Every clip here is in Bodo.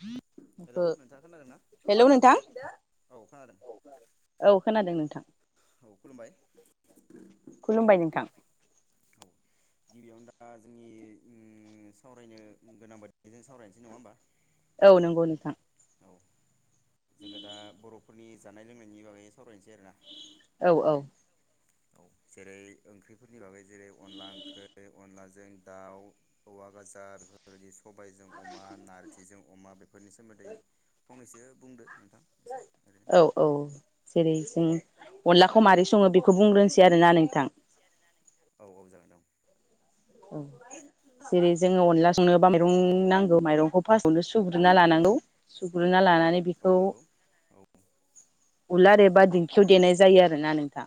[inaudible] हेलौ बो नोंथाङा खोनादों ना हेलौ नोंथां औ खोनादों औ खोनादों नोंथां। औ खुलुमबाय। खुलुमबाय नोंथां। औ गिबियावनो दा जोंनि उम सावरायनो गोनां बादि जों सावरायनोसै नङा होमबा? औ नंगौ नोंथां। औ जोङो दा बर'फोरनि जानाय लोंनायनि बागै सावरायनोसै आरोना औ औ। जेरै ओंख्रिफोरनि बागै जेरै अनला ओंख्रै, अनलाजों दाउ, औवा गाजार बेफोरबायदि सबायजों अमा, नारजिजों अमा बेफोरनि सोमोन्दै फंनैसो बुंदो नोंथां एसे ओरैनो औ औ जेरै जों अनलाखौ मारै सङो बेखौ बुंग्रोनोसै आरोना नोंथां। औ औ जागोन औ। औ जेरै जोङो अनला संनोबा माइरं नांगौ माइरंखौ फार्स्ट नो सुग्रोना लानांगौ सुग्रो ना लानानै औ बिखौ नंगौ औ उलार एबा दिंखियाव देनाय जायो आरोना नोंथां।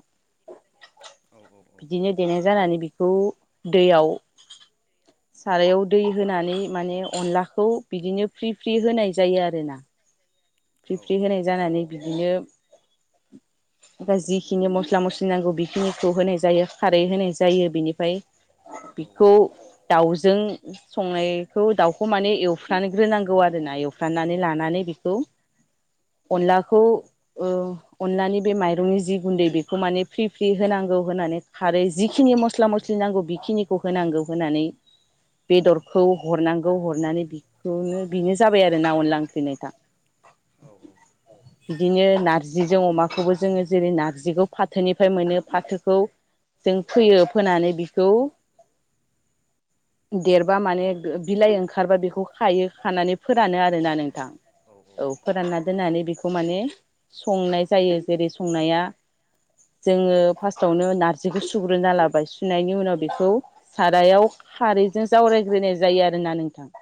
औ औ औ बिदिनो देनाय थारैनो जानानै सैथो बिखौ दैयाव सारायाव दै होनानै माने अनलाखौ बिदिनो फ्रि फ्रि होनाय जायो आरोना। फ्रि फ्रि होनाय जानानै बि बिनो जिखिनि मस्ला मस्लि नांगौ बेखिनिखौ होनाय जायो खारै होनाय जायो बिनिफ्राय बिखौ दाउजों संनायखौ दाउखौ माने एवफ्रानोग्रोनांगौ आरोना एवफ्रानानै लानानै बेखौ अनलाखौ ओ अनलानि बे माइरंनि जि गुन्दै बेखौ माने फ्रि फ्रि होनांगौ होनानै खारै जिखिनि मस्ला मस्लि नांगौ बेखिनिखौ होनांगौ होनानै बेदरखौ हरनांगौ हरनानै बेखौनो बेनो जाबाय आरो ना अनला ओंख्रि नोंथां। औ औ। बिदिनो नार्जिजों अमाखौबो जोङो जेरै नारजिखौ फाथोनिफ्राय मोनो फाथोखौ जों फोयो फोनानै बिखौ देरबा माने बिलाइ ओंखारबा बेखौ खायो खानानै फोरानो आरोना नोंथां। औ फोरानना दोननानै बेखौ खौ माने संनाय जायो। जेरै संनाया जोङो फासावनो नारजिखौ सुग्रोना लाबाय सुनायनि उनाव बेखौ सारायाव खारैजों जावरायग्रोनाय जायो आरोना नोंथां।